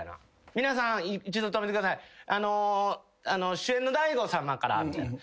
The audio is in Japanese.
「皆さん一度止めてください」「主演の大悟さまから」みたいな。